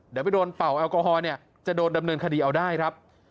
เดี๋ยวไปโดนเป่าแอลกอฮอล์เนี่ยจะโดนดำเนินคดีเอาได้ครับ